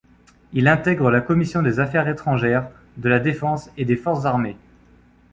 Il intègre la commission des Affaires étrangères, de la Défense et des Forces armées.